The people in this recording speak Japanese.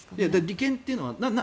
利権というのは？